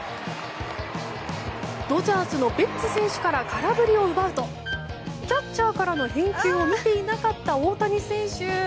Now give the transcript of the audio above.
ドジャースのベッツ選手から空振りを奪うとキャッチャーからの返球を見ていなかった大谷選手。